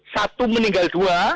satu meninggal dua